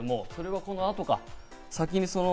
それはこの後か？